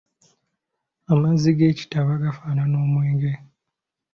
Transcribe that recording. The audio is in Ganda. Amazzi g’ekitaba gafaanana omwenge.